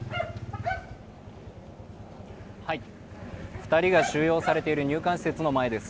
２人が収容されている入管施設の前です。